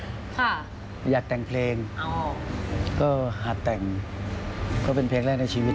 ค่ะอยากแต่งเพลงอ๋อก็หาแต่งก็เป็นเพลงแรกในชีวิต